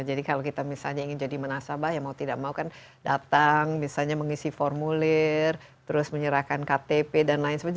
jadi kalau kita misalnya ingin jadi menasabah ya mau tidak mau kan datang misalnya mengisi formulir terus menyerahkan ktp dan lain sebagainya